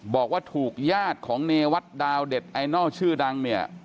บอกว่าถูกญาติของเนวัฒน์ดาวเด็ดไอหน้าชื่อดัง